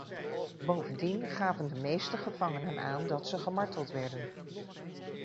Bovendien gaven de meeste gevangenen aan dat ze gemarteld werden.